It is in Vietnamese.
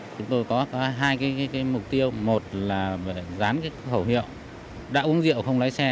chúng tôi có hai mục tiêu một là dán khẩu hiệu đã uống rượu không lái xe